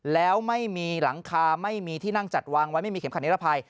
แล้วไม่มีหลังคาไม่มีที่นั่งจัดวางไว้ไม่มีเข็มขัดนิรภัย